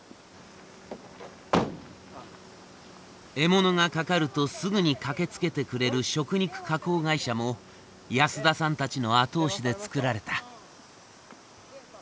獲物が掛かるとすぐに駆けつけてくれる食肉加工会社も安田さんたちの後押しで作られた。